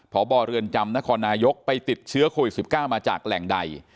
พบเรือนจำนครนายกไปติดเชื้อโควิด๑๙มาจากแหล่งใด